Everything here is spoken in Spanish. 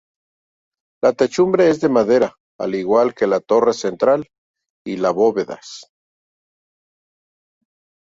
La techumbre es de madera, al igual que la torre central y las bóvedas.